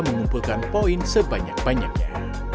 mengumpulkan poin sebanyak banyaknya